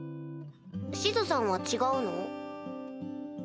シズさんは違うの？